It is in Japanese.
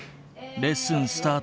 レッスンスタート。